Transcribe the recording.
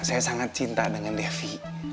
saya sangat cinta dengan devi